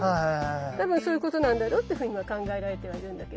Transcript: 多分そういうことなんだろうって今考えられてはいるんだけど。